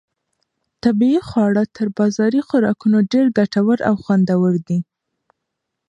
طبیعي خواړه تر بازاري خوراکونو ډېر ګټور او خوندور دي.